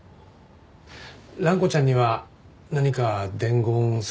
蘭子ちゃんには何か伝言をされたんですか？